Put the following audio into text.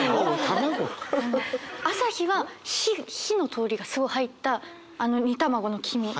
朝日は火の通りがすごい入ったあの煮卵の黄身。